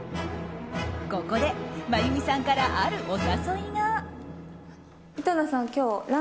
ここで真弓さんからあるお誘いが。